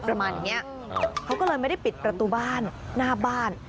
ประมาณอย่างนี้เขาก็เลยไม่ได้ปิดประตูบ้านหน้าบ้าน